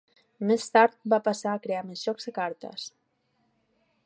Més tard va passar a crear més jocs de cartes.